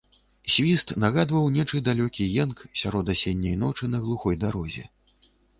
Свіст нагадваў нечы далёкі енк сярод асенняй ночы на глухой дарозе.